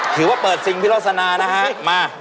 ถือว่าเปิดสิ่งพี่ศาสนานะฮะมา